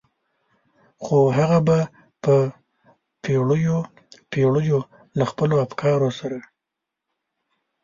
خو هغه به په پېړيو پېړيو له خپلو افکارو سره.